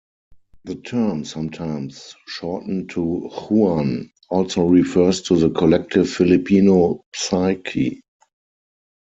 The term, sometimes shortened to "Juan", also refers to the collective Filipino psyche.